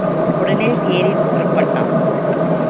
உடனே தேரில் புறப்பட்டான்.